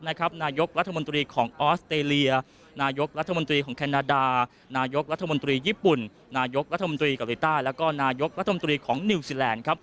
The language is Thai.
นายกรัฐมนตรีของออสเตรเลียนายกรัฐมนตรีของแคนาดานายกรัฐมนตรีญี่ปุ่นนายกรัฐมนตรีเกาหลีใต้แล้วก็นายกรัฐมนตรีของนิวซีแลนด์ครับ